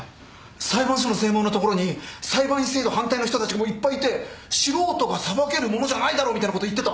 裁判所の正門の所に裁判員制度反対の人たちがもういっぱいいて「素人が裁けるものじゃないだろう」みたいなこと言ってた。